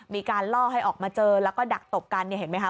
มีการล่อให้ออกมาเจอแล้วก็ดักตบกันเนี่ยเห็นไหมคะ